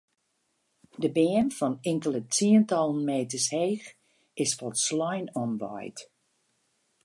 De beam fan inkelde tsientallen meters heech is folslein omwaaid.